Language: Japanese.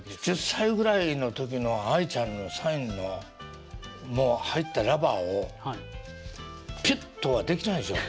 １０歳ぐらいの時の愛ちゃんのサインの入ったラバーをピュッとはできないでしょ。